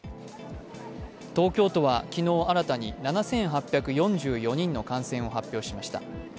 東京都は昨日新たに７８４４人の感染を発表しました。